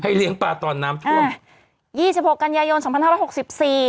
เลี้ยงปลาตอนน้ำท่วมยี่สิบหกกันยายนสองพันห้าร้อยหกสิบสี่